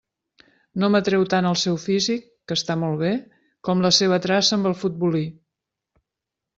No m'atreu tant el seu físic, que està molt bé, com la seva traça amb el futbolí.